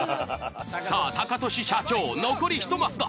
さあタカトシ社長残り１マスだ。